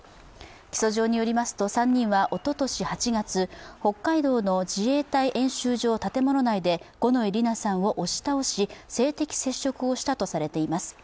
起訴状によりますと３人はおととし８月、北海道の自衛隊演習場建物内で五ノ井里奈さんを押し倒し、性的接触をしたとされています。